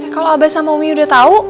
kalau abah sama wiu udah tahu